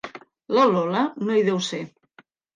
La Lola no hi deu ser.